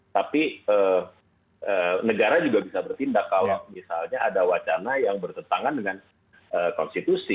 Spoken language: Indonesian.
tapi negara juga bisa bertindak kalau misalnya ada wacana yang bertentangan dengan konstitusi